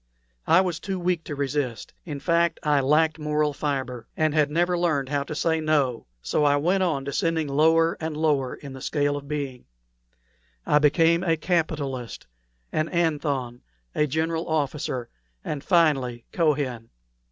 I was too weak to resist; in fact, I lacked moral fibre, and had never learned how to say 'No.' So I went on, descending lower and lower in the scale of being. I became a capitalist, an Athon, a general officer, and finally Kohen.